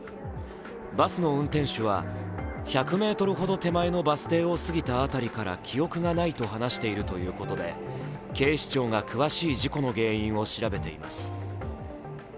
バスの運転手は、１００ｍほど手前のバス停を過ぎた辺りから記憶がないと話しているということで、警視庁が詳しい事故の原因を調べています。